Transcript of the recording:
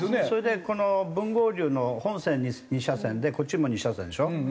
それでこの分合流の本線２車線でこっちも２車線でしょ？